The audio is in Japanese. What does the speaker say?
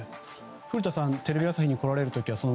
古田さんテレビ朝日に来られる時ははい！